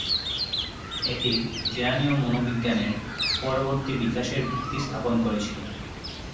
এটি জ্ঞানীয় মনোবিজ্ঞানের পরবর্তী বিকাশের ভিত্তি স্থাপন করেছিল।